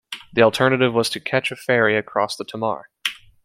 The alternative was to catch a ferry across the Tamar.